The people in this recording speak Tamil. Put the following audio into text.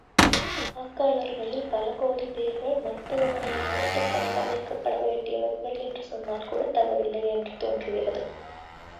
வாக்காளர்களில் பல கோடிப் பேர்கள் மருத்துவமனையில் வைத்துக் கண்காணிக்கப்பட வேண்டியவர்கள் என்று சொன்னால்கூடத் தவறில்லை என்று தோன்றுகிறது.